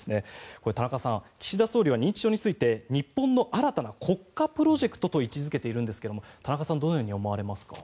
これ、田中さん岸田総理は認知症について日本の新たな国家プロジェクトと位置付けているんですが田中さんはどのように思われますか？